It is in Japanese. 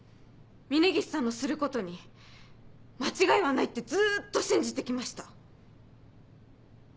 峰岸さんのすることに間違いはないってずっと信じて来ました。